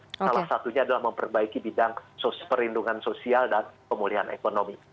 salah satunya adalah memperbaiki bidang perlindungan sosial dan pemulihan ekonomi